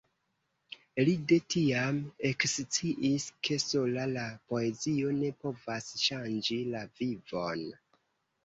Li de tiam eksciis, ke sola la poezio ne povas ŝanĝi la vivon.